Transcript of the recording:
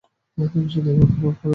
তুমি শুধু ওকে মাপ দিয়ে দাও।